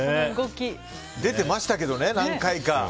出てましたけどね、何回か。